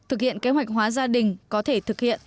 thực hiện kế hoạch hóa gia đình có thể thực hiện